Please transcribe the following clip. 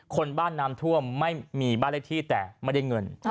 คนบ้านน้ำท่วมไม่มีบ้านเลขที่แต่ไม่ได้เงิน